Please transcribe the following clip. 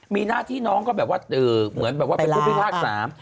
มีหน้าที่น้องก็เหมือนเป็นผู้พิพากษ์สาม